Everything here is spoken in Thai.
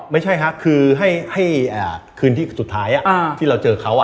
ไม่ใช่ครับคือให้คืนที่สุดท้ายที่เราเจอเขา